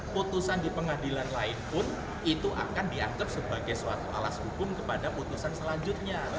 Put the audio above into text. putusan di pengadilan lain pun itu akan dianggap sebagai suatu alas hukum kepada putusan selanjutnya